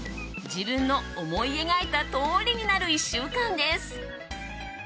自分の思い描いたとおりになる１週間です。